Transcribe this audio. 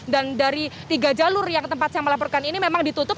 dari tiga jalur yang tempat saya melaporkan ini memang ditutup